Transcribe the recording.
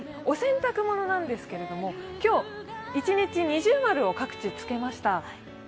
お洗濯物なんですけれども、今日一日、二重丸を各地つけました。